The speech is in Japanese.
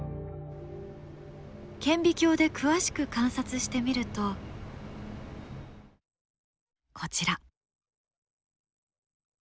顕微鏡で詳しく観察してみるとこちら。